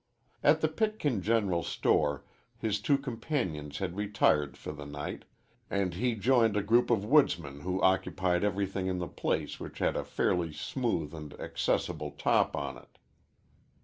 At the Pitkin general store his two companions had retired for the night, and he joined a group of woodsmen who occupied everything in the place which had a fairly smooth and accessible top on it.